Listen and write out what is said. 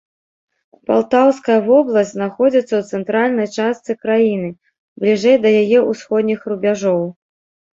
Палтаўская вобласць знаходзіцца ў цэнтральнай частцы краіны, бліжэй да яе ўсходніх рубяжоў.